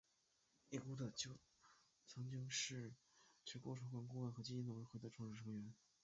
已故的就曾经是的全国筹款顾问和基金董事会的创始成员。